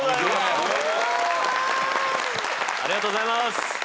ありがとうございます。